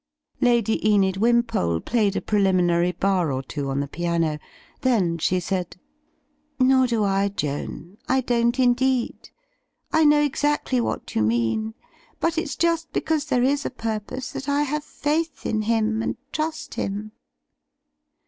Lady Enid Wimpole played a preliminary bar or two on the piano. Then she said, "Nor do I, Joan. I don't indeed. I know exactly what you mean. But it's just because there is a pur pose that I have faith in him and trust him."